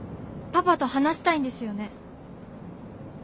パパと話したいんですよね？